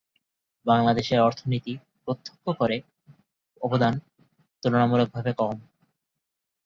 বাংলাদেশের অর্থনীতি প্রত্যক্ষ করে অবদান তুলনামূলকভাবে কম।